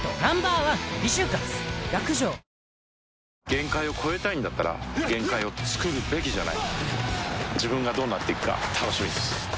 限界を越えたいんだったら限界をつくるべきじゃない自分がどうなっていくか楽しみです